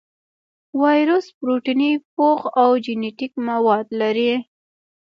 وایرس پروتیني پوښ او جینیټیک مواد لري.